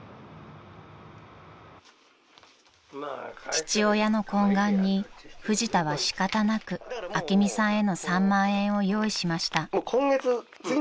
［父親の懇願にフジタは仕方なく朱美さんへの３万円を用意しました］